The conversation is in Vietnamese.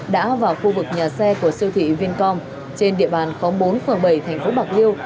đã vào khu vực nhà xe của siêu thị vincom trên địa bàn khóm bốn phường bảy thành phố bạc liêu